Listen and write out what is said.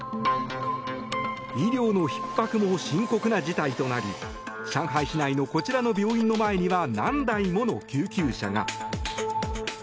医療のひっ迫も深刻な事態となり上海市内のこちらの病院の前には何台もの救急車が。